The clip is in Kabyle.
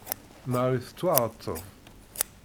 Marie tettwaɛetteb.